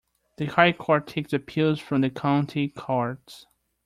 The High Court takes appeals from the County Courts.